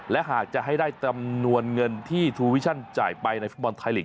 และหากจะให้ได้จำนวนเงินที่ทูวิชั่นจ่ายไปในฟุตบอลไทยลีก